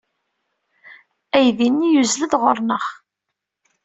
Aydi-nni yuzzel-d ɣer-neɣ.